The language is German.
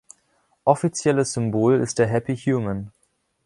Offizielles Symbol ist der Happy Human.